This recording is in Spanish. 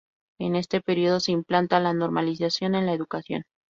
En este período se implanta la normalización en la educación.